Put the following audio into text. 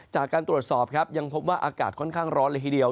จากการตรวจสอบครับยังพบว่าอากาศค่อนข้างร้อนเลยทีเดียว